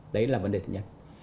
đấy là vấn đề thứ nhất